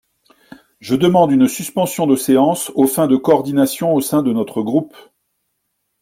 Je demande une suspension de séance aux fins de coordination au sein de notre groupe.